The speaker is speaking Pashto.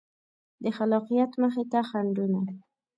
د خلاقیت مخې ته خنډونه